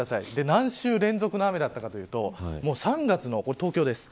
何週連続の雨だったかというと３月の東京です。